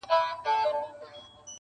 کم اصل ګل که بویوم ډک دي باغونه٫